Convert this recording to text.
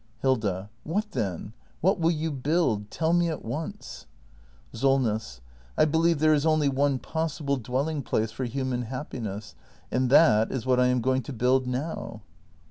Hilda. What, then ? What will you build ? Tell me at once! Solness. I believe there is only one possible dwelling place for human happiness — and that is what I am going to build now.